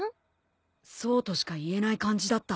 そうとしか言えない感じだった。